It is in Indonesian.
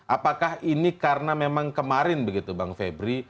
apakah ini karena memang kemarin begitu bang febri